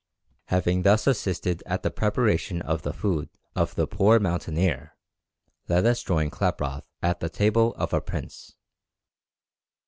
Having thus assisted at the preparation of the food of the poor mountaineer, let us join Klaproth at the table of a prince.